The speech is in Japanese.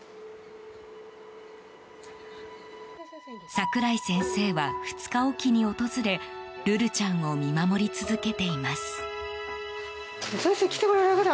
櫻井先生は２日おきに訪れルルちゃんを見守り続けています。